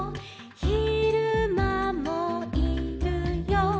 「ひるまもいるよ」